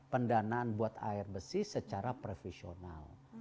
pendanaan buat air besi secara profesional